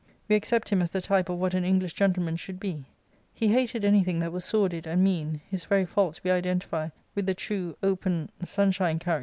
We accept him as the type of what an English gentleman should be. He hated anything that was sordid and mean ; his very faults we identify with the true, open sunshine character • Fulke Greville, p.